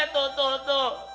tuh tuh tuh